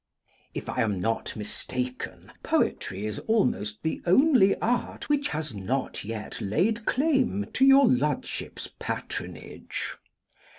If I am not mistaken, poetry is almost the only art which has not yet laid claim to your lordship's patronage.